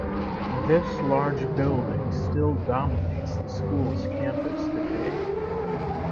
This large building still dominates the school's campus today.